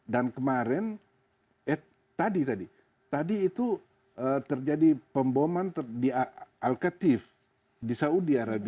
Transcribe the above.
dan kemarin eh tadi tadi tadi itu terjadi pemboman di al qa'tif di saudi arabia